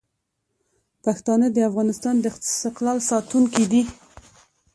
پښتانه د افغانستان د استقلال ساتونکي دي.